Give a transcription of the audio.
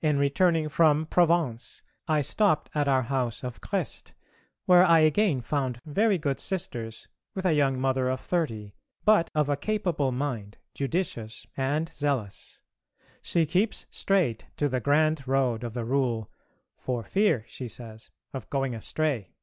In returning from Provence I stopped at our house of Crest, where I again found very good Sisters with a young Mother of thirty, but of a capable mind, judicious and zealous. She keeps straight to the grand road of the Rule, "for fear," she says, "of going astray."